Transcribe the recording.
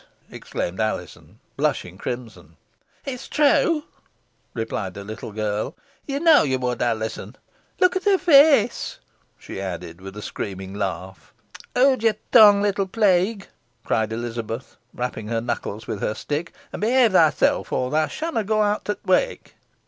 exclaimed Alizon, blushing crimson. "It's true," replied the little girl; "ye knoa ye would, Alizon, Look at her feace," she added, with a screaming laugh. "Howd te tongue, little plague," cried Elizabeth, rapping her knuckles with her stick, "and behave thyself, or theaw shanna go out to t' wake."